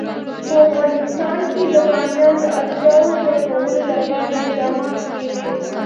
په افغانستان کې د بامیان د اړتیاوو پوره کولو لپاره اقدامات کېږي.